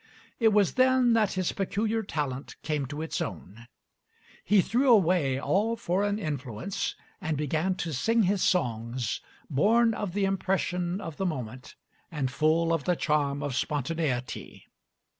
It was then that his peculiar talent came to its own; he threw away all foreign influence and began to sing his songs, born of the impression of the moment and full of the charm of spontaneity.